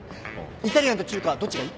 イタリアンと中華どっちがいい？